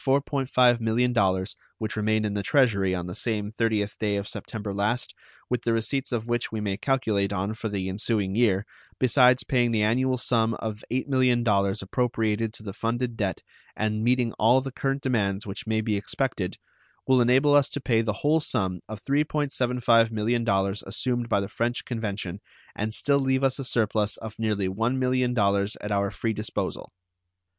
5 millions, which remained in the Treasury on the same 30th day of September last, with the receipts of which we may calculate on for the ensuing year, besides paying the annual sum of $8 millions appropriated to the funded debt and meeting all the current demands which may be expected, will enable us to pay the whole sum of $3.75 millions assumed by the French convention and still leave us a surplus of nearly $1 million at our free disposal.